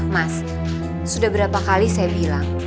mas sudah berapa kali saya bilang